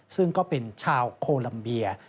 ซึ่งก็เป็นชาวโคลัมเบีย